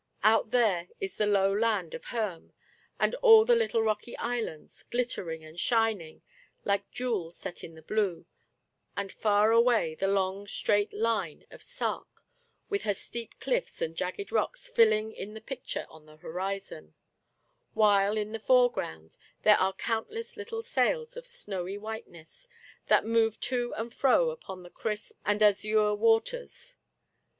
Out there is the low land of Herm, and all the little rocky islands glittering and shining like jewels set in the blue, and far away the long straight line of Sark, with her steep cliffs and jagged rocks filling in the picture on the horizon ; while, in the fore ground, there are countless little sails of snowy whiteness that move to and fro upon the crisp Digitized by Google lo8 THE FATE OF FENELLA. and azure waters.